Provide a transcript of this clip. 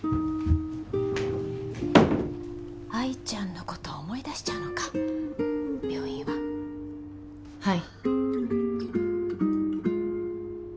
愛ちゃんのこと思い出しちゃうのか病院ははい